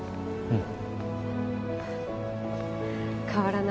うん。